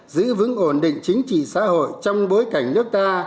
giữ vững ổn định chính trị xã hội trong bối cảnh nước ta